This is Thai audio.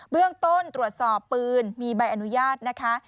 เรื่องต้นตรวจสอบปืนมีใบอนุญาตนะคะ